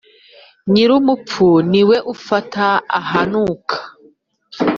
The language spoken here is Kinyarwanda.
Nyirumupfu ni we ufata ahanuka.